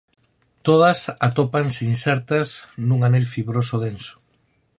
Todas atópanse insertas nun anel fibroso denso.